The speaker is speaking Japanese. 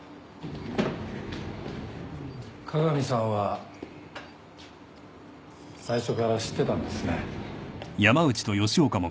加賀美さんは最初から知ってたんですね。